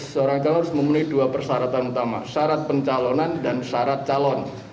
seorang calon harus memenuhi dua persyaratan utama syarat pencalonan dan syarat calon